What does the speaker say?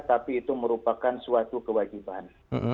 tapi itu merupakan suatu kewajiban